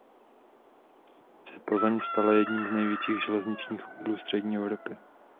Postupně se Poznaň stala jedním z největších železničních uzlů střední Evropy.